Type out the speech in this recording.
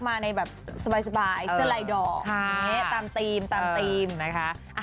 มาสบายซลัยดอกตามสในธุรกิจค่ะ